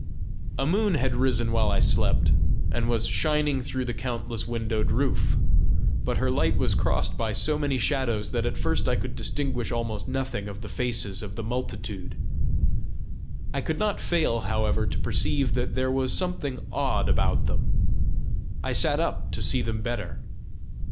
A moon had risen while I slept, and was shining through the countless windowed roof; but her light was crossed by so many shadows that at first I could distinguish almost nothing of the faces of the multitude; I could not fail, however, to perceive that there was something odd about them: I sat up to see them better.